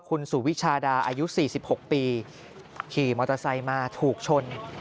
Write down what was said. คุณสุวิชาดาอายุ๔๖ปีขี่มอเตอร์ไซค์มาถูกชน